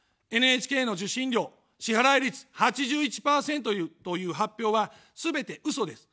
ＮＨＫの受信料、支払い率８１％という発表は、すべてうそです。